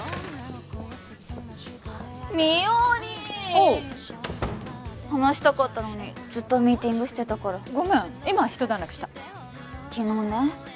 美織おお話したかったのにずっとミーティングしてたからごめん今ひと段落した昨日ね